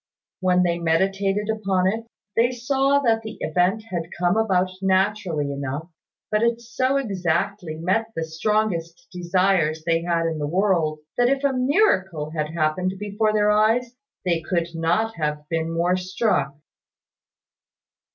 When they meditated upon it, they saw that the event had come about naturally enough; but it so exactly met the strongest desire they had in the world, that if a miracle had happened before their eyes, they could not have been more struck.